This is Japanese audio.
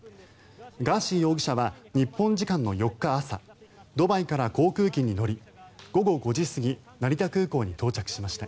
ガーシー容疑者は日本時間の４日朝ドバイから航空機に乗り午後５時過ぎ成田空港に到着しました。